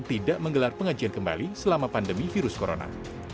tidak menggelar pengajian kembali selama pandemi virus corona